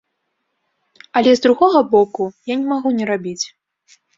Але з другога боку, я не магу не рабіць.